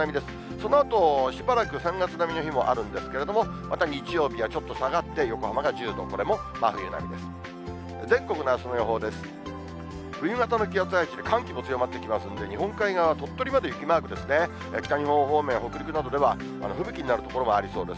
そのあとしばらく、３月並みの日もあるんですけれども、また日曜日がちょっと下がって横浜が１０度、これも真冬並みです。